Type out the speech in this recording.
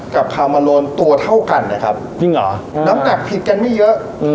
กับคามาโลนตัวเท่ากันนะครับจริงเหรอน้ำหนักผิดกันไม่เยอะ